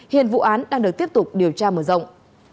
hiện vụ án đang được tiếp tục điều tra mở rộng